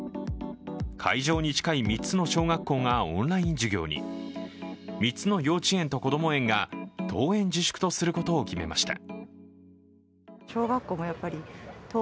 会場に近い３つの小学校がオンライン授業に３つの幼稚園とこども園が登園自粛とすることを決めました。